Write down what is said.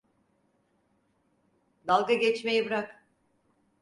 Dalga geçmeyi bırak.